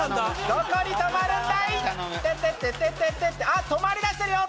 どこに止まるんだ？